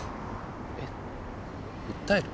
えっ訴える？